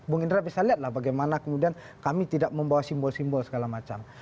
bung indra bisa lihat lah bagaimana kemudian kami tidak membawa simbol simbol segala macam